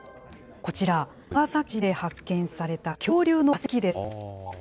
こちら、長崎市で発見された恐竜の化石です。